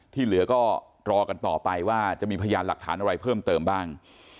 ที่เหลือก็รอกันต่อไปว่าจะมีพยานหลักฐานอะไรเพิ่มเติมบ้าง